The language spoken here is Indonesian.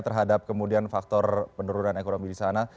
terhadap kemudian faktor penurunan ekonomi di sana